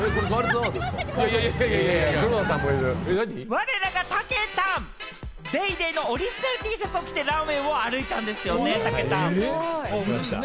われらがたけたん、『ＤａｙＤａｙ．』のオリジナルＴシャツを着て、ランウェイを歩いたんですよね、たけたん。